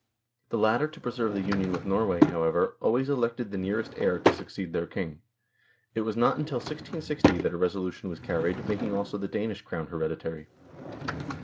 The latter to preserve the union with Norway, however, always elected the nearest heir to succeed their king. It was not until 1660 that a resolution was carried, making also the Danish Crown hereditary.